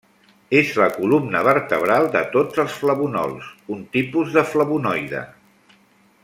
És la columna vertebral de tots els flavonols, un tipus de flavonoide.